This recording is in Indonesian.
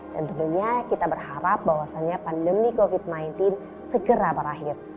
dan tentunya kita berharap bahwasannya pandemi covid sembilan belas segera berakhir